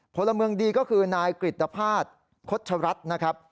พลเมืองดีก็คือนายกริตภาษณ์คดชรัฐนะครับ